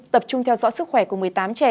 tập trung theo dõi sức khỏe của một mươi tám trẻ